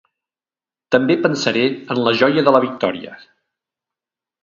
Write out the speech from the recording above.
També pensaré en la joia de la victòria.